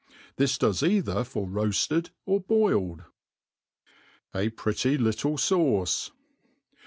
This docs either for roafted or boiled. A pretty little Sauce.